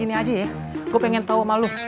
gini aja ya gue pengen tau sama lo